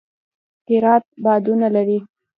هرات بادونه لري